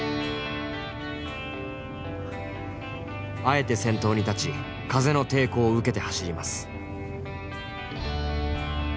あえて先頭に立ち風の抵抗を受けて走ります。